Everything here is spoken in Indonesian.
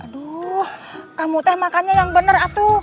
aduh kamu harus makan dengan benar atu